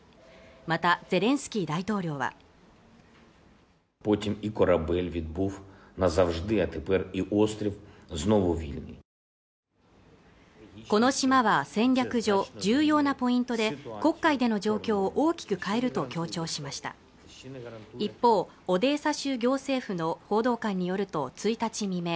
またゼレンスキー大統領はこの島は戦略上重要なポイントで黒海での状況を大きく変えると強調しました一方オデーサ州行政府の報道官によると１日未明